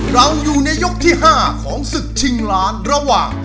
เราอยู่ในยกที่๕ของศึกชิงล้านระหว่าง